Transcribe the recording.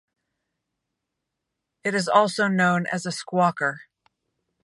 It is also known as a squawker.